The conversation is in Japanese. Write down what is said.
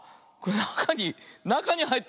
なかになかにはいってたよ。